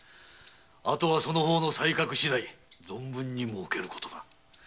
あとはその方の才覚しだい存分に儲けることだ。